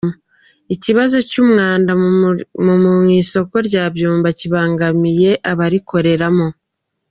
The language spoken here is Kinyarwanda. Ikibazo cy’umwanda mu isoko rya Byumba kibangamiye abarikoreramo